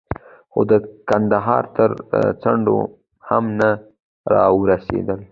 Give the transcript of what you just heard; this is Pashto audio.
خو د کندهار تر څنډو هم نه را ورسېدل.